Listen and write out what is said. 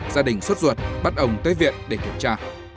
gia đình xuất ruột bắt ông tới viện để kiểm tra